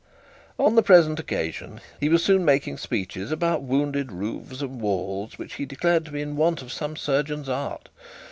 On the present occasion, he was soon making speeches about wounded roofs and walls, which he declared to be in want of some surgeon's art.